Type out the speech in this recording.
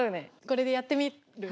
これでやってみる？